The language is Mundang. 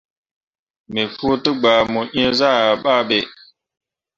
Me fuu degba mo eezah yah babe.